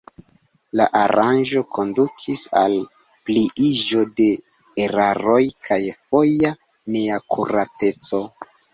La aranĝo kondukis al pliiĝo de eraroj kaj foja neakurateco.